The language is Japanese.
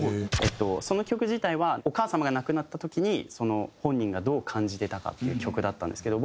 その曲自体はお母様が亡くなった時に本人がどう感じてたかっていう曲だったんですけど。